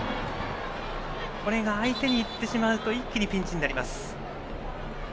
今のが相手に行ってしまうと一気にピンチになります。